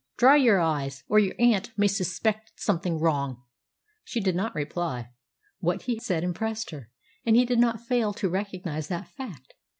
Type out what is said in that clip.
Dry your eyes, or your aunt may suspect something wrong." She did not reply. What he said impressed her, and he did not fail to recognise that fact.